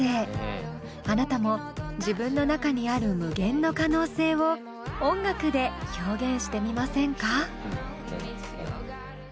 あなたも自分の中にある無限の可能性を音楽で表現してみませんか？